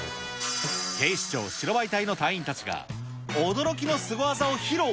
警視庁白バイ隊の隊員たちが、驚きのスゴ技を披露。